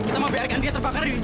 kita membiarkan dia terbakar